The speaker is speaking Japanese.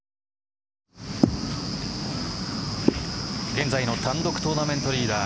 現在の単独トーナメントリーダー